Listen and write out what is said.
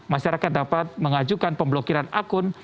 masyarakat dapat mengajukan pemblokiran akun